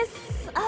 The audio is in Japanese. あ。